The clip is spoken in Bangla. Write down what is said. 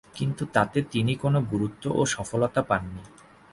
কিন্তু তাতে তিনি কোন গুরুত্ব ও সফলতা পাননি।